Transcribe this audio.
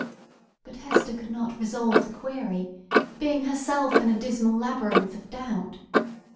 But Hester could not resolve the query, being herself in a dismal labyrinth of doubt.